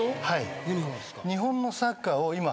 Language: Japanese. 日本のサッカーを。